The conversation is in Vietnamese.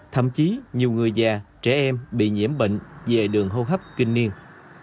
thậm chí nhiều người già trẻ em bị nhiễm bệnh về đường hô hấp kinh niên